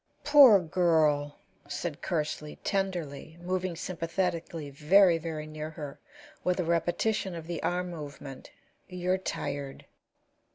"Poor girl!" said Kersley, tenderly, moving sympathetically very, very near her, with a repetition of the arm movement. "You're tired."